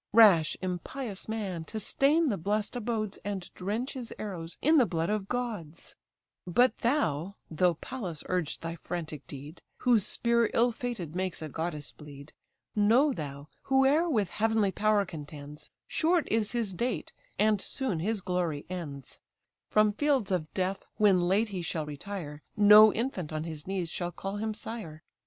Rash, impious man! to stain the bless'd abodes, And drench his arrows in the blood of gods! OTUS AND EPHIALTES HOLDING MARS CAPTIVE "But thou (though Pallas urged thy frantic deed), Whose spear ill fated makes a goddess bleed, Know thou, whoe'er with heavenly power contends, Short is his date, and soon his glory ends; From fields of death when late he shall retire, No infant on his knees shall call him sire.